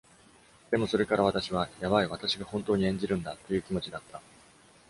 でもそれから私は、「やばい、私が本当に演じるんだ！」という気持ちだった。